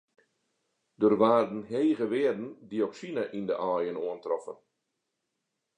Der waarden hege wearden dioksine yn de aaien oantroffen.